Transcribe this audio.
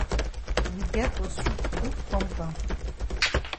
We get for sweep big compound.